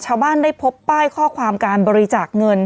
ชาวบ้านได้พบป้ายข้อความการบริจาคเงิน